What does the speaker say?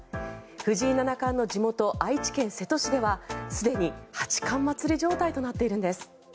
藤井七冠の地元愛知県瀬戸市ではすでに八冠祭り状態となっているんです。